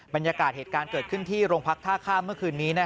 บรรยากาศเหตุการณ์เกิดขึ้นที่โรงพักท่าข้ามเมื่อคืนนี้